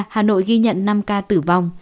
hà nội ghi nhận năm ca tử vong